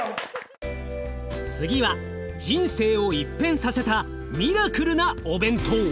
次は人生を一変させたミラクルなお弁当！